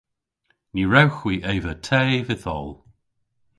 Ny wrewgh hwi eva te vyth oll.